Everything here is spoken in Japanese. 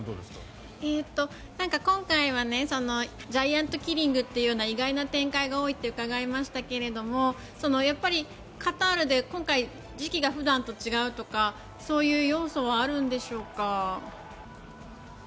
今回はジャイアントキリングという意外な展開が多いとうかがいましたけれどもやっぱりカタールで今回、時期が普段と違うとかそういう要素はあるんでしょうか。